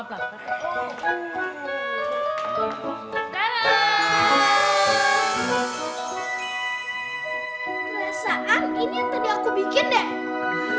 perasaan ini yang tadi aku bikin deh